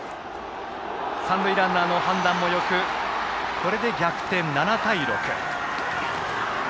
三塁ランナーの判断もよくこれで逆転、７対６。